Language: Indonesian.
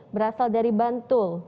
berasal dari bantul